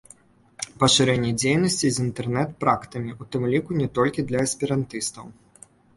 Пашырэнне дзейнасці з інтэрнэт-практамі, у тым ліку не толькі для эсперантыстаў.